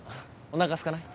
おなかすかない？